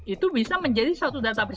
itu bisa menjadi satu data persis